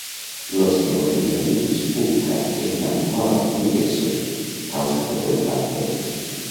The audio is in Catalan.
L'osteomielitis púbica és una malaltia infecciosa causada per un bacteri.